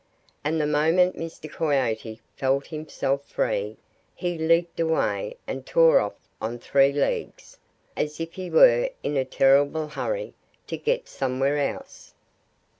And the moment Mr. Coyote felt himself free he leaped away and tore off on three legs as if he were in a terrible hurry to get somewhere else.